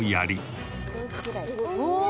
おお！